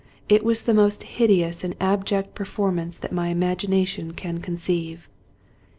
It was the most hideous and abject performance that my imagination can conceive.